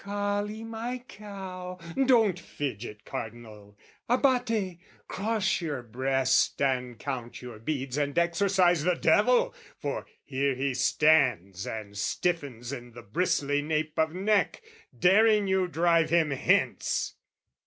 Colly my cow! Don't fidget, Cardinal! Abate, cross your breast and count your beads And exorcise the devil, for here he stands And stiffens in the bristly nape of neck, Daring you drive him hence!